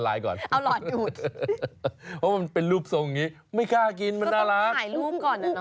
แล้วพอถ่ายรูปเสร็จละลายไหม